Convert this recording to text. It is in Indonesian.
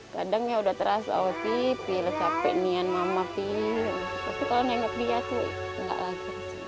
kadangnya udah terasa otipi letak penyian mama pilih kalau nengok dia tuh enggak